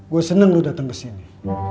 gue seneng lo dateng kesini